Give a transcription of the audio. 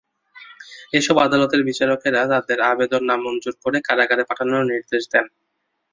এসব আদালতের বিচারকেরা তাঁদের আবেদন নামঞ্জুর করে কারাগারে পাঠানোর নির্দেশ দেন।